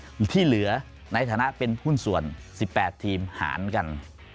ที่เหลือในฐานะเป็นหุ้นส่วน๑๘ทีมหารกัน